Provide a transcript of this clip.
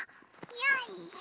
よいしょ。